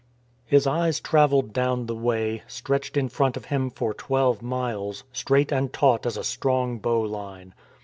His eyes travelled down the Way, stretched in front of him for twelve miles, straight and taut as a strong bow line.